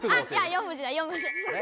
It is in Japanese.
４文字だ４文字。